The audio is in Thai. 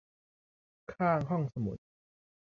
ข้างห้องสมุด